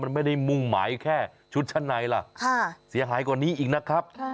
มันไม่ได้มุ่งหมายแค่ชุดชั้นในล่ะเสียหายกว่านี้อีกนะครับ